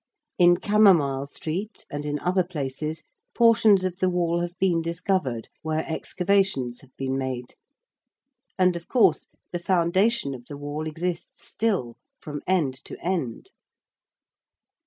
In Camomile Street and in other places portions of the Wall have been discovered where excavations have been made: and, of course, the foundation of the Wall exists still, from end to end.